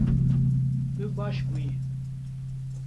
Tu baş bûyî